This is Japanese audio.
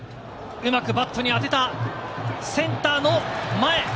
うまくバットに当てた、センターの前！